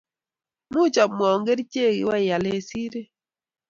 Moch amwaun keriche iweal eng siree.